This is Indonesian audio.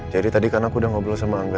jadi tadi kan aku sudah ngobrol sama angga